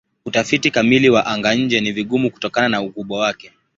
Utafiti kamili wa anga-nje ni vigumu kutokana na ukubwa wake.